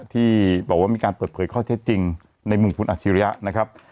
ที่บอกว่ามีการเปิดเผยข้อเท็จจริงในมุมคุณอาชิริยะนะครับ